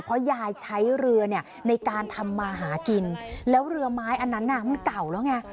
เพราะยายใช้เรือเนี่ยในการทำมาหากินแล้วเรือไม้อันนั้นน่ะมันเก่าแล้วไง